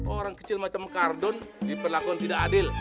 orang kecil macam kardon diperlakukan tidak adil